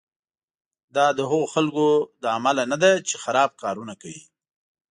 دا د هغو خلکو له امله نه ده چې خراب کارونه کوي.